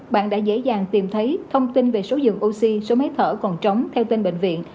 bạn đã dễ dàng tìm thấy thông tin về số dường oxy số máy thở còn trống theo tên bệnh viện